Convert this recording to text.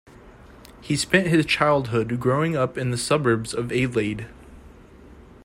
He spent his childhood growing up in the suburbs of Adelaide.